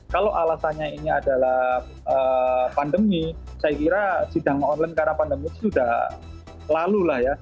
kalau alasannya ini adalah pandemi saya kira sidang online karena pandemi sudah lalu lah ya